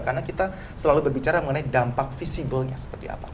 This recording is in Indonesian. karena kita selalu berbicara mengenai dampak visiblenya seperti apa